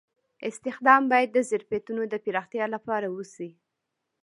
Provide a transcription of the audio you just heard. استخدام باید د ظرفیتونو د پراختیا لپاره وشي.